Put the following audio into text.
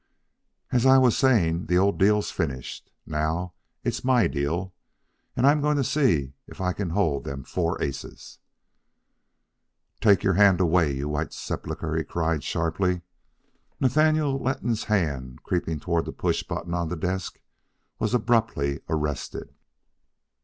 "As I was saying, the old deal's finished. Now it's MY deal, and I'm a going to see if I can hold them four aces "Take your hand away, you whited sepulchre!" he cried sharply. Nathaniel Letton's hand, creeping toward the push button on the desk, was abruptly arrested.